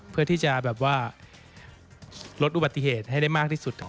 เพื่อที่จะแบบว่าลดอุบัติเหตุให้ได้มากที่สุด